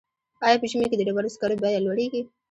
آیا په ژمي کې د ډبرو سکرو بیه لوړیږي؟